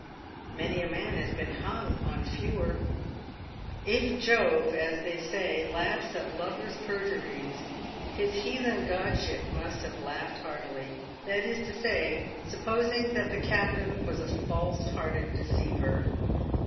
Many a man has been hung on fewer. If Jove, as they say, laughs at lovers' perjuries, his heathen godship must have laughed heartily — that is to say, supposing that the captain was a false hearted deceiver.